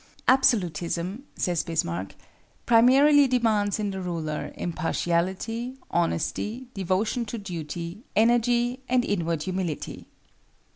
"Absolutism," says Bismarck, "primarily demands in the ruler impartiality, honesty, devotion to duty, energy and inward humility."